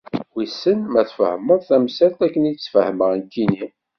Wissen ma tfehmem tamsalt akken i tt-fehmeɣ nekkini?